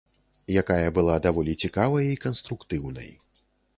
Якая была даволі цікавай і канструктыўнай.